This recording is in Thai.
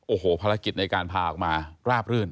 โอ้โหภารกิจในการพาออกมาราบรื่น